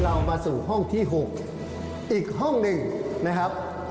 เรามาสู่ห้องที่๖อีกห้องหนึ่งนะครับ